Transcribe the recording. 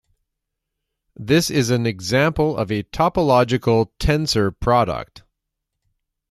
This is an example of a topological tensor product.